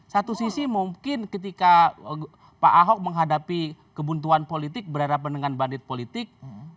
satu sisi mungkin ketika pak ahok menghadapi kebuntuan politik berhadapan dengan bandit politik